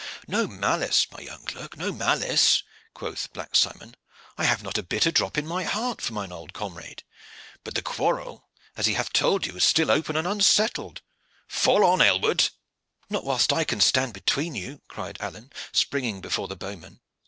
"No malice, my young clerk, no malice," quoth Black Simon. "I have not a bitter drop in my heart for mine old comrade; but the quarrel, as he hath told you, is still open and unsettled. Fall on, Aylward!" "Not whilst I can stand between you," cried Alleyne, springing before the bowman.